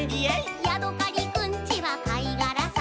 「ヤドカリくんちはかいがらさ」